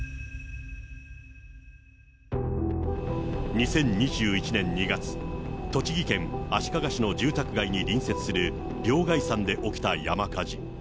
２０２１年２月、栃木県足利市の住宅街に隣接する山で起きた山火事。